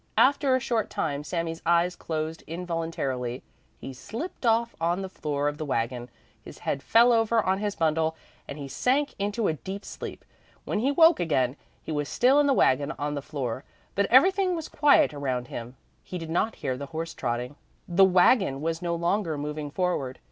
After a short time Sami's eyes closed involuntarily, he slipped off on the floor of the wagon, his head fell over on his bundle, and he sank into a deep sleep. When he woke again, he was still in the wagon on the floor, but everything was quiet around him; he did not hear the horse trotting; the wagon was no longer moving forward.